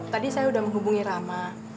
tadi saya udah menghubungi rahmat